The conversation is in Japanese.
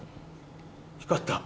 光った。